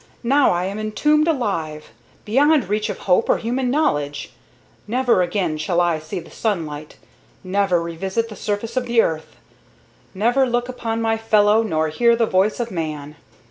"Now I am entombed alive, beyond reach of hope or human knowledge. Never again shall I see the sunlight, never revisit the surface of the earth, never look upon my fellows nor hear the voice of man.